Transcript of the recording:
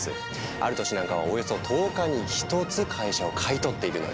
ある年なんかはおよそ１０日に１つ会社を買い取っているのよ！